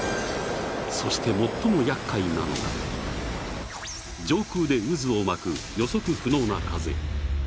そして最もやっかいなのが上空で渦を巻く予測不能な風。